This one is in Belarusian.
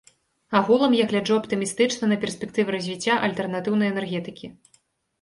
Агулам я гляджу аптымістычна на перспектывы развіцця альтэрнатыўнай энергетыкі.